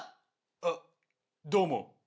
「あっどうも。